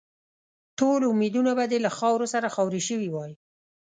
ټول امیدونه به دې له خاورو سره خاوري شوي وای.